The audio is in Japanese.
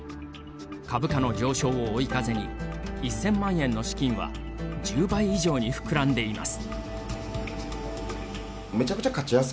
株価の上昇を追い風に１０００万円の資金は１０倍以上に膨らんでいます。